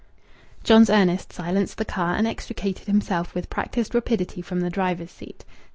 John's Ernest silenced the car, and extricated himself with practised rapidity from the driver's seat.